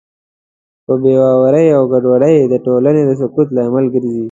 بېباورۍ او ګډوډۍ د ټولنې د سقوط لامل ګرځي.